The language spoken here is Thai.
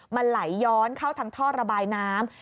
มันไหลย้อนเข้าทางท่อระบายน้ำ